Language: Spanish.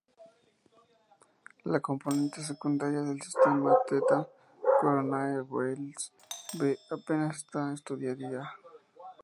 La componente secundaria del sistema, Theta Coronae Borealis B, apenas está estudiada.